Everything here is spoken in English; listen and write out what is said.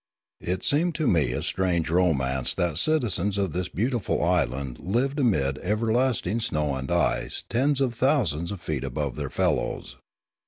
It seemed to me a strange romance that citizens of this beautiful island lived amid ever lasting snow and ice tens of thousands of feet above their fellows.